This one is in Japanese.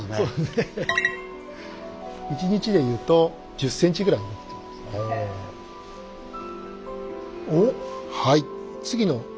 １日でいうと１０ｃｍぐらい動いてますね。